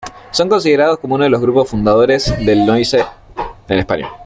Son considerados como uno de los grupos fundadores del noise en España.